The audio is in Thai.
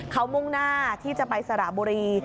เขามุ่งหน้าที่จะไปสระบุรี